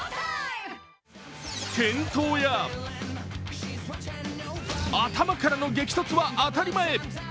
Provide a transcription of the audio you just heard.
転倒や、頭からの激突は当たり前。